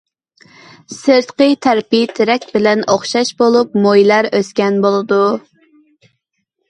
سىرتقى تەرىپى تېرە بىلەن ئوخشاش بولۇپ، مويلار ئۆسكەن بولىدۇ.